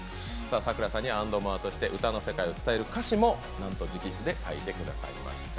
さくらさんにはａｎｄｍｏｒｅとして歌の世界を伝える歌詞もなんと直筆で書いてくださいました。